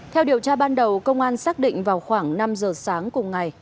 theo điều tra ban đầu công an xác định vào khoảng năm giờ sáng cùng ngày